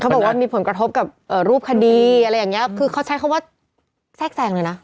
เขาบอกว่ามีผลกระทบกับรูปคดีอะไรอย่างจะคือเขาใช้เขาว่าแซ่งเลยนะ